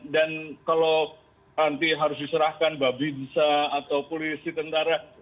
dan kalau anti harus diserahkan babinsa atau polisi tentara